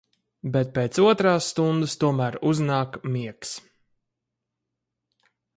Bet pēc otrās stundas tomēr uznāk miegs.